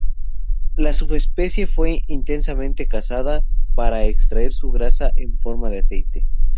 La subespecie fue intensamente cazada para extraer su grasa en forma de aceite.